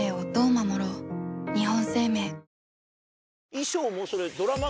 衣装もそれ。